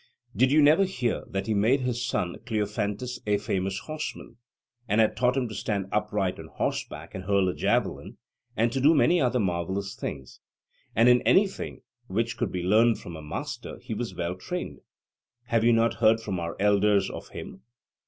Did you never hear that he made his son Cleophantus a famous horseman; and had him taught to stand upright on horseback and hurl a javelin, and to do many other marvellous things; and in anything which could be learned from a master he was well trained? Have you not heard from our elders of him?